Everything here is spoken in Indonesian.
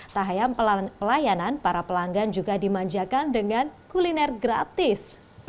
tahayam pelayanan para pelanggan juga dimanjakan dengan kuliner gratis